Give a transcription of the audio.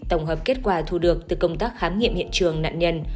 tổng hợp kết quả thu được từ công tác khám nghiệm hiện trường nạn nhân